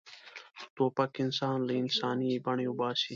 توپک انسان له انساني بڼې وباسي.